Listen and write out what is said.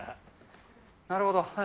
なるほど。